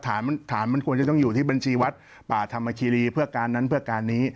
ฐานมันควรจะต้องอยู่ที่บัญชีวัดป่าธรรมคีรีเพื่อการนั้นเพื่อการนี้